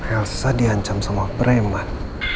elsa diancam sama breman